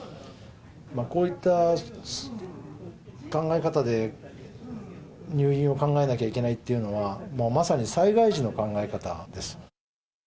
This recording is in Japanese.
こういった考え方で入院を考えなきゃいけないっていうのは、まさに災害時の考え方です。